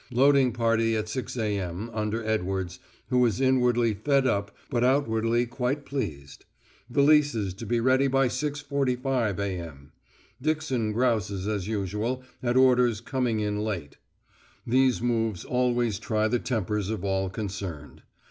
Loading party at 6.0 a.m. under Edwards, who is inwardly fed up but outwardly quite pleased. Valises to be ready by 6.45 a.m. Dixon grouses as usual at orders coming in late. These moves always try the tempers of all concerned.